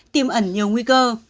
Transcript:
tìm ẩn nhiều nguy cơ